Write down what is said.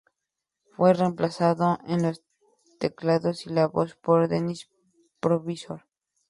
Fue reemplazado en los teclados y la voz por Dennis Provisor.